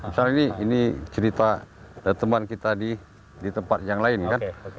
misalnya ini cerita teman kita di tempat yang lain kan